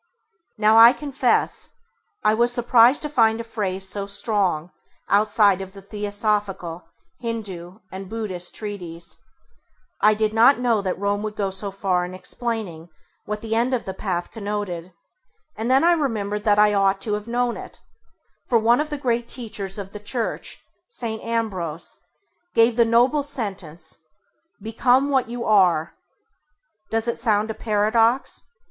Now I confess I was surprised to find a phrase so strong outside the Theosophical, Hindû and Buddhist treatises. I did not know that Rome would go so far in explaining what the end of the path connoted, and then I remembered that I ought to have known it, for one of the great teachers of the Church, S. Ambrose, gave the noble sentence: ŌĆ£Become what you areŌĆ£. Does it sound a paradox